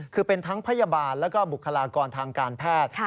คือเป็นทั้งพยาบาลแล้วก็บุคลากรทางการแพทย์